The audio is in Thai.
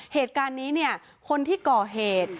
เหตุการณ์นี้เนี่ยคนที่ก่อเหตุ